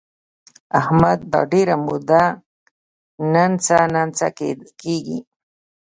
احمد دا ډېره موده ننڅه ننڅه کېږي.